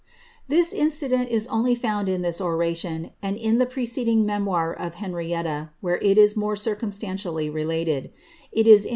*' tv This incident is only found in this oration and in the precediif /" memoir of Henrietta^ where it is more circumstantially related; itisii .'